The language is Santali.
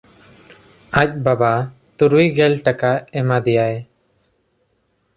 ᱟᱡ ᱵᱟᱵᱟ ᱛᱩᱨᱩᱭ ᱜᱮᱞ ᱴᱟᱠᱟ ᱮᱢᱟ ᱫᱮᱭᱟᱭ᱾